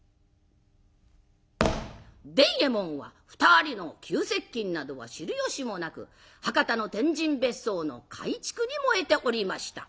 伝右衛門は２人の急接近などは知るよしもなく博多の天神別荘の改築に燃えておりました。